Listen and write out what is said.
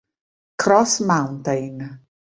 Cross Mountain